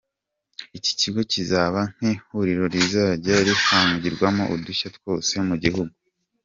Iki kigo kizaba nk’ihuriro rizajya rihangirwamo udushya twose mu gihugu.